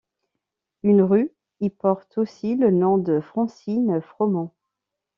Une rue y porte aussi le nom de Francine Fromond.